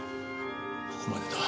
ここまでだ。